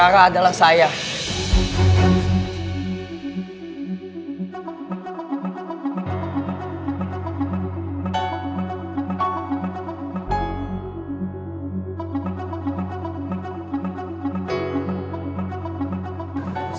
apapun lu rara pengen kijakin r arrived